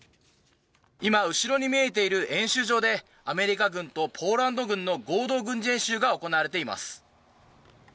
今、後ろに見えている演習場でアメリカ軍とポーランド軍の合同軍事演習が行われています。